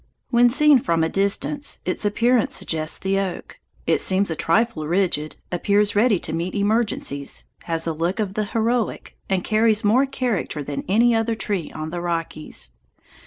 When seen from a distance its appearance suggests the oak. It seems a trifle rigid, appears ready to meet emergencies, has a look of the heroic, and carries more character than any other tree on the Rockies.